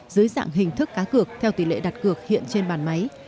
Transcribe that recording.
dưới dạng hình thức cá cược theo tỷ lệ đặt cược hiện trên bàn máy